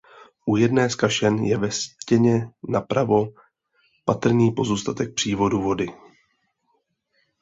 U jedné z kašen je ve stěně napravo patrný pozůstatek přívodu vody.